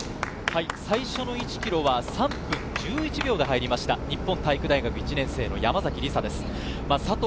最初の１ｋｍは３分１１秒で入りました、日本体育大学１年の山崎りさです。